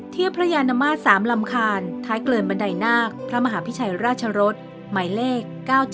พระยานมาตร๓ลำคาญท้ายเกินบันไดนาคพระมหาพิชัยราชรสหมายเลข๙๗